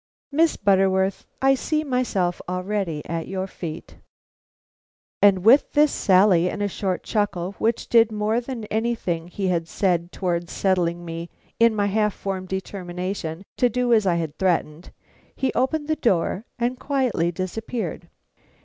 "Miss Butterworth, I see myself already at your feet." And with this sally and a short chuckle which did more than anything he had said towards settling me in my half formed determination to do as I had threatened, he opened the door and quietly disappeared.